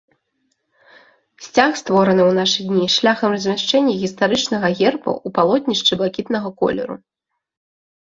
Сцяг створаны ў нашы дні шляхам размяшчэння гістарычнага герба ў палотнішчы блакітнага колеру.